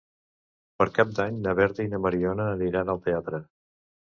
Per Cap d'Any na Berta i na Mariona aniran al teatre.